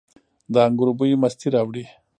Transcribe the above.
د انګورو بوی مستي راوړي.